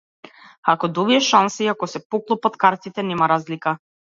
Ако добиеш шанса и ако се поклопат картите, нема разлика.